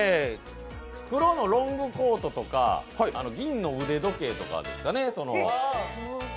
黒のロングコートとか銀の腕時計とかですかね。